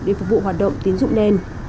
để phục vụ hoạt động tín dụng đen